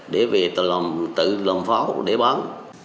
để về tự làm pháo để bán